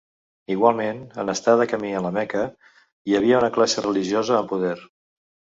Igualment, en estar de camí a La Meca, hi havia una classe religiosa amb poder.